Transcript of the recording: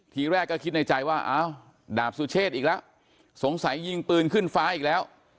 ทีแรกก็คิดในใจว่าดาปสุเชษอีกละสงสัยยิงปืนขึ้นฟ้าอีกละ